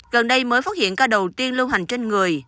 gần đây mới phát hiện ca đầu tiên lưu hành trên người